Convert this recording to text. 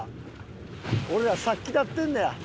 俺ら殺気立ってんねや。